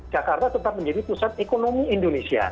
jakarta tetap menjadi pusat ekonomi indonesia